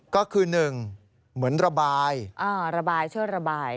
ก็คือหนึ่งเหมือนระบายอ่าระบายเชื่อระบาย